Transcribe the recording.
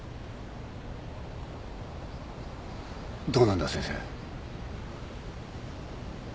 どうなんだ先生？